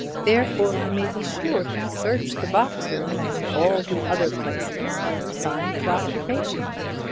Therefore you may be sure he searched the box room and all the other places for signs of occupation.